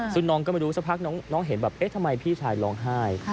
ซึ่งน้องก็ไม่รู้สักพักน้องเห็นแบบเอ๊ะทำไมพี่ชายร้องไห้